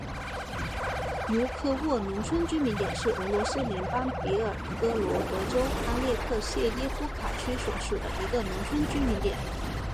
茹科沃农村居民点是俄罗斯联邦别尔哥罗德州阿列克谢耶夫卡区所属的一个农村居民点。